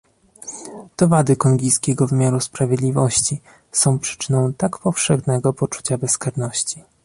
To wady kongijskiego wymiaru sprawiedliwości są przyczyną tak powszechnego poczucia bezkarności